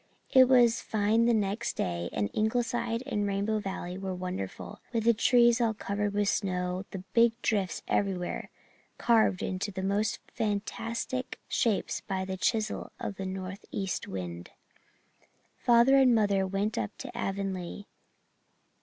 It was fine the next day, and Ingleside and Rainbow Valley were wonderful, with the trees all covered with snow, and big drifts everywhere, carved into the most fantastic shapes by the chisel of the northeast wind. Father and mother went up to Avonlea.